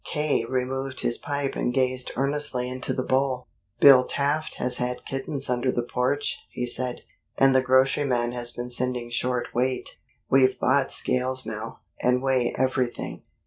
K. removed his pipe and gazed earnestly into the bowl. "Bill Taft has had kittens under the porch," he said. "And the groceryman has been sending short weight. We've bought scales now, and weigh everything."